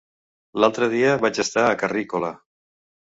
L'altre dia vaig estar a Carrícola.